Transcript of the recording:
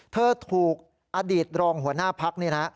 เธอถูกอดีตรองหัวหน้าพักนี่นะ